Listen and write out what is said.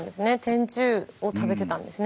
天中を食べてたんですね